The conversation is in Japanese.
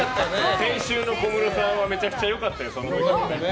先週の小室さんはめちゃくちゃ良かったよ。